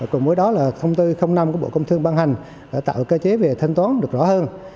cùng với đó là thông tư năm của bộ công thương ban hành tạo cơ chế về thanh toán được rõ hơn